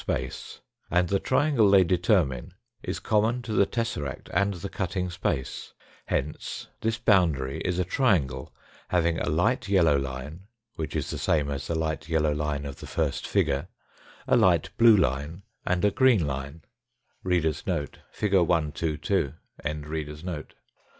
space, and the triangle they determine is common to the tesseract and the cut ting space. Hence this boundary is a triangle hav ing a light yellow line, which is the same as the light yellow line of the first figure, a light blue line and a green line.